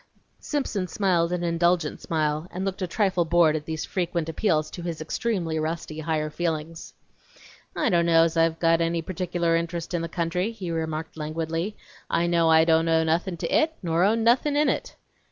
Simpson smiled an indulgent smile and looked a trifle bored at these frequent appeals to his extremely rusty higher feelings. "I don' know's I've got any partic'lar int'rest in the country," he remarked languidly. "I know I don't owe nothin' to it, nor own nothin' in it!"